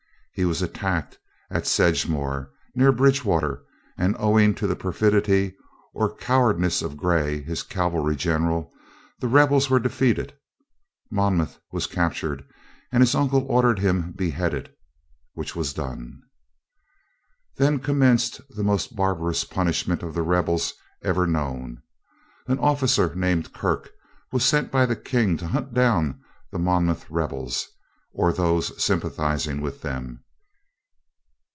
He was attacked at Sedgemore, near Bridgewater, and, owing to the perfidity or cowardice of Gray, his cavalry general, the rebels were defeated. Monmouth was captured, and his uncle ordered him beheaded, which was done. Then commenced the most barbarous punishment of rebels ever known. An officer named Kirk was sent by the king to hunt down the Monmouth rebels, or those sympathizing with them.